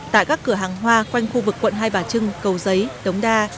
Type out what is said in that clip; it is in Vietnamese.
tại các cửa hàng hoa quanh khu vực quận hai bà trưng cầu giấy đống đa